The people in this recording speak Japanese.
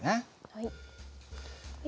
はい。